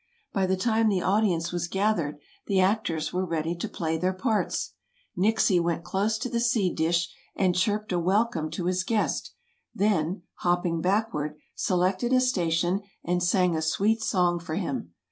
By the time the audience was gathered the actors were ready to play their parts. Nixie went close to the seed dish and chirped a welcome to his guest, then, hopping backward, selected a station and sang a sweet song for him.